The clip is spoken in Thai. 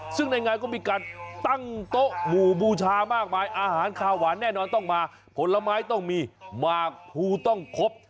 ซึ่งในงานก็มีการตั้งโต๊ะหมู่บูชามากมายอาหารคาวหวานแน่นอนต้องมาผลไม้ต้องมีหมากภูต้องครบ